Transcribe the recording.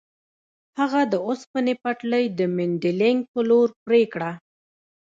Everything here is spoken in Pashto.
هغه د اوسپنې پټلۍ د مینډلینډ په لور پرې کړه.